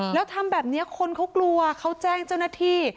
แล้วทำแบบนี้คนเขากลัวเขาแจ้งเจ้าหน้าที่